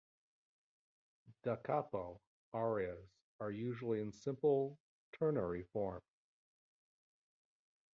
"Da capo" arias are usually in simple ternary form.